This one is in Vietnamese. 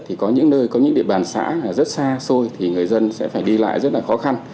thì có những nơi có những địa bàn xã rất xa xôi thì người dân sẽ phải đi lại rất là khó khăn